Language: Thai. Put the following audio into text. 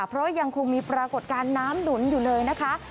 เพราะยังคงมีปรากฏการณ์น้ำหนุนอยู่เลยนะคะ